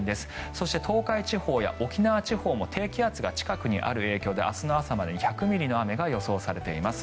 そして、東海地方や沖縄地方も低気圧が近くにある影響で明日の朝までに１００ミリの雨が予想されています。